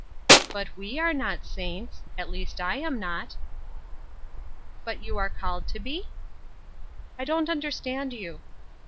"But we are not saints ; at least I am not. "" But you are called to be ?"" I don't understand you."